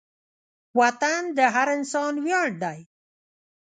وطن د هر انسان ویاړ دی.